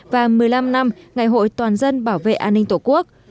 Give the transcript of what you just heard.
và một mươi năm năm ngày hội toàn dân bảo vệ an ninh tổ quốc